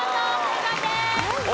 正解です！